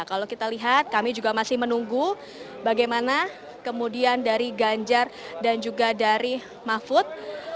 kalau kita lihat kami juga masih menunggu bagaimana kemudian dari ganjar dan juga dari mahfud